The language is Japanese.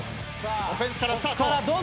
オフェンスからスタート。